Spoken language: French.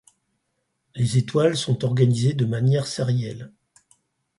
Les étoiles sont organisées de manière sérielle.